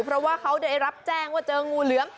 เพราะว่าเขาได้รับแจ้งว่าเจองูเหลือม